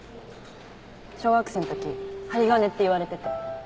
小学生のときハリガネって言われてて。